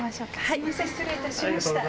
すみません失礼いたしました。